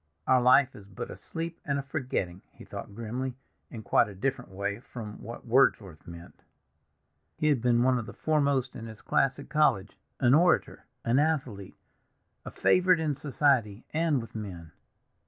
"'Our life is but a sleep and a forgetting,'" he thought grimly, "in quite a different way from what Wordsworth meant." He had been one of the foremost in his class at college, an orator, an athlete, a favorite in society and with men.